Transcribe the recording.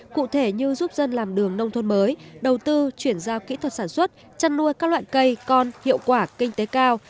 cụ thể như giúp dân làm đường nông thôn mới đầu tư chuyển giao kỹ thuật sản xuất chăn nuôi các loại cây con hiệu quả kinh tế cao